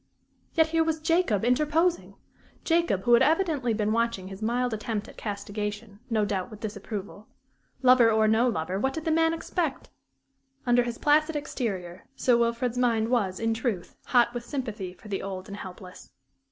Yet here was Jacob interposing! Jacob, who had evidently been watching his mild attempt at castigation, no doubt with disapproval. Lover or no lover what did the man expect? Under his placid exterior, Sir Wilfrid's mind was, in truth, hot with sympathy for the old and helpless.